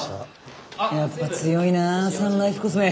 やっぱ強いなサンライフコスメ。